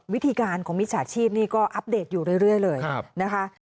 วิธีการของมิจฉาชีพนี่ก็อัปเดตอยู่เรื่อยเลยนะคะ